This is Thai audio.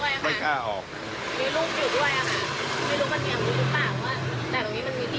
เดี๋ยวก็มาเข้าห้องนี้ห้องแรกนะครับ